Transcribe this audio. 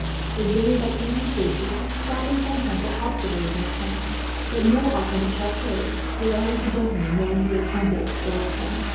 They journeyed by easy stages, stopping sometimes at hostelries in the towns, but more often at chateaux belonging to gentlemen known to the countess or her son.